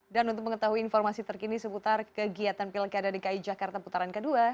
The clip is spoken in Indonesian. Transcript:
untuk mengetahui informasi terkini seputar kegiatan pilkada dki jakarta putaran kedua